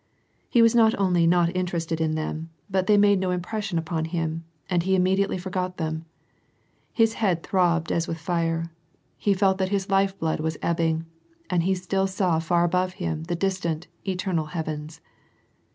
He was not only not interested in the but they made no impression upon him, and he immediatel; forgot them. His head throbbed as with fire : he felt that h life blood was ebbing, and he still saw far above him the tant, eternal heavens.